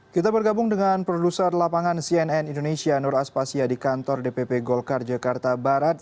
kita bergabung dengan produser lapangan cnn indonesia nur aspasya di kantor dpp golkar jakarta barat